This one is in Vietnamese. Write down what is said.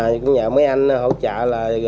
những nhà mấy anh hỗ trợ là